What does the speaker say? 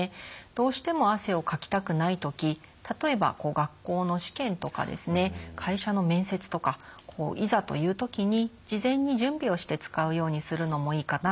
どうしても汗をかきたくない時例えば学校の試験とかですね会社の面接とかいざという時に事前に準備をして使うようにするのもいいかなというふうに思います。